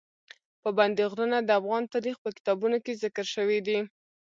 پابندي غرونه د افغان تاریخ په کتابونو کې ذکر شوي دي.